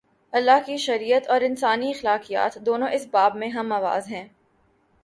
اللہ کی شریعت اور انسانی اخلاقیات، دونوں اس باب میں ہم آواز ہیں۔